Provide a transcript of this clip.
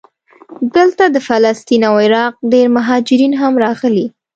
دلته د فلسطین او عراق ډېر مهاجرین هم راغلي.